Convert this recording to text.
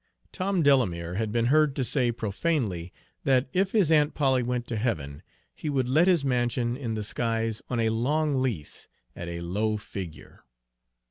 Tom Delamere had been heard to say, profanely, that if his Aunt Polly went to heaven, he would let his mansion in the skies on a long lease, at a low figure.